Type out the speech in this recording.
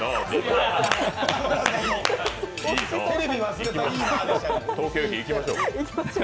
テレビ忘れたいいなぁでしたからね。